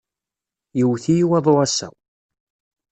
Yewwet-iyi waḍu ass-a.